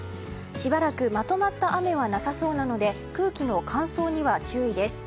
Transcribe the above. しばらくまとまった雨はなさそうなので空気の乾燥には注意です。